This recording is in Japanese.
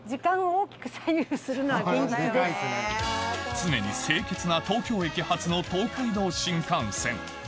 常に清潔な東京駅発の東海道新幹線